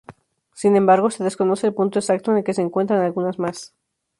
Sin embargo, se desconoce el punto exacto en que se encuentran algunas más.